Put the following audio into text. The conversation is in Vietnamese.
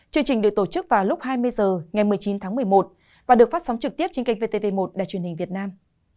chương trình được tổ chức vào lúc hai mươi h ngày một mươi chín tháng một mươi một và được phát sóng trực tiếp trên kênh vtv một đài truyền hình việt nam